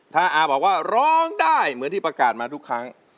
ถ้าอาบอกว่าร้องได้เหมือนที่ประกาศมาทุกครั้ง